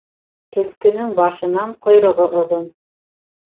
Төлкөнөң башынан ҡойроғо оҙон.